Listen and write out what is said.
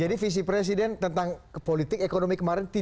jadi visi presiden tentang politik ekonomi kemarin